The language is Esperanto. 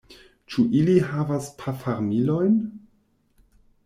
Ĉu ili havas pafarmilojn?